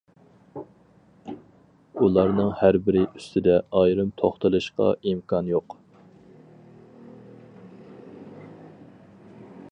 ئۇلارنىڭ ھەربىرى ئۈستىدە ئايرىم توختىلىشقا ئىمكان يوق.